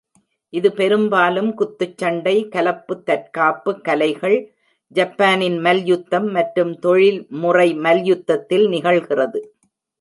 இது பெரும்பாலும் குத்துச்சண்டை, கலப்பு தற்காப்பு கலைகள், ஜப்பானின் மல்யுத்தம் மற்றும் தொழில்முறை மல்யுத்தத்தில் நிகழ்கிறது.